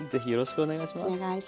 お願いします。